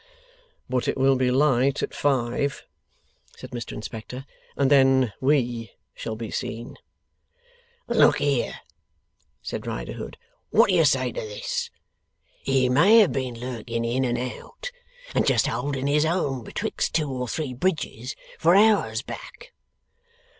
'But it will be light at five,' said Mr Inspector, 'and then WE shall be seen.' 'Look here,' said Riderhood, 'what do you say to this? He may have been lurking in and out, and just holding his own betwixt two or three bridges, for hours back.